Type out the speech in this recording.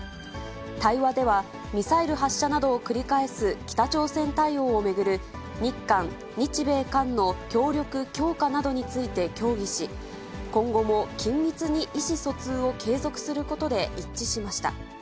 対話では、ミサイル発射などを繰り返す北朝鮮対応を巡る、日韓、日米韓の協力強化などについて協議し、今後も緊密に意思疎通を継続することで一致しました。